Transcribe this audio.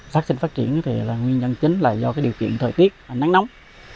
phát triển phát triển thì nguyên nhân chính là do điều kiện thời tiết nắng nóng